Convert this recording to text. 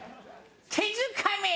手づかみ。